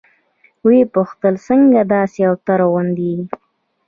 ويې پوښتل څنگه داسې اوتر غوندې يې.